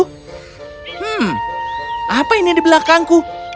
hmm apa ini di belakangku